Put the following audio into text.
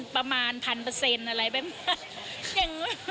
ประมาณพันเปอร์เซ็นต์อะไรแบบนี้